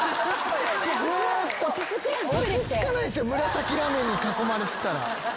紫ラメに囲まれてたら。